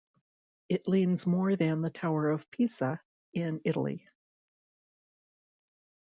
It leans more than the tower of Pisa in Italy.